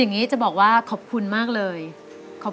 ขอจองในจ่ายของคุณตะกะแตนชลดานั่นเองนะครับ